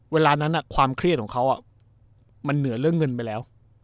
เวลานั้นความเครียดของเขามันเหนือเรื่องเงินไปแล้ว